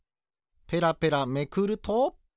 ペラペラめくると。